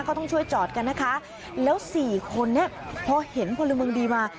เขาต้องช่วยจอดกันนะคะแล้วสี่คนนี้พอเห็นพลเมืองดีมา